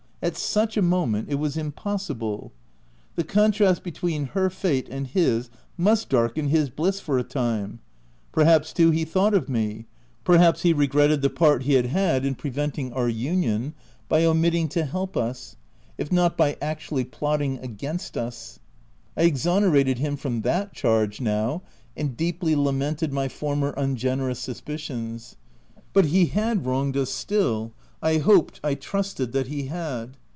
At such a moment it was impossible. The contrast between her fate and his must darken his bliss for a time. Perhaps too he thought of me : perhaps he regretted the part OF WILDFELL HALL. 293 he had had in preventing our union, by omit ting to help us, if not by actually plotting against us — I exonerated him from that charge, now, and deeply lamented my former ungene rous suspicions ; but he had wronged us, still — I hoped, I trusted that he had.